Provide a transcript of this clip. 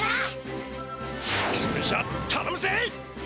それじゃたのむぜ！